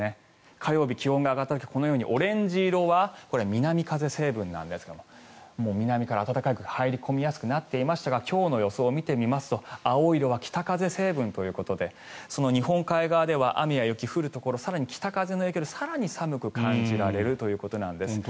火曜日、気温が上がった時このオレンジ色は南風成分なんですが南から暖かい空気が入り込みやすくなっていますが今日の予想を見てみますと青色は北風成分ということで日本海側では雨や雪の降るところ北風の影響で更に寒く感じられるということなんです。